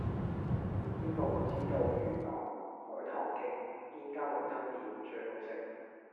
邊個會知道元朗海棠徑邊間雲吞麵最好食